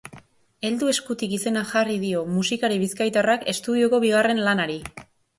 Heldu eskutik izena jarri dio musikari bizkaitarrak estudioko bigarren lanari.